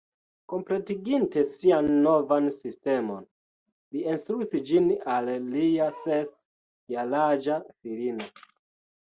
Kompletiginte sian novan sistemon, li instruis ĝin al lia ses jaraĝa filino